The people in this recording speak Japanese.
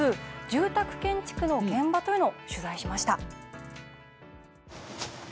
住宅建築の現場というのを取材しました。